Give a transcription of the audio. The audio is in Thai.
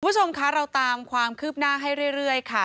คุณผู้ชมคะเราตามความคืบหน้าให้เรื่อยค่ะ